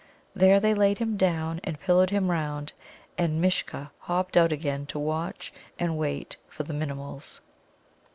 There they laid him down, and pillowed him round. And Mishcha hopped out again to watch and wait for the Minimuls.